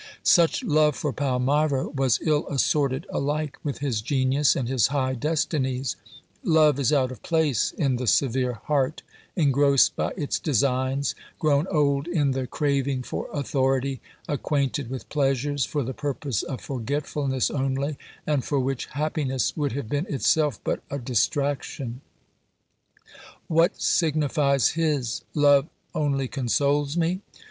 Such love for Palmyra was ill assorted alike with his genius and his high destinies; love is out of place in the severe heart, engrossed by its designs, grown old in the I02 OBERMANN craving for authority, acquainted with pleasures for the purpose of forgetfulness only, and for which happiness would have been itself but a distraction. What signifies his : Love only consoles me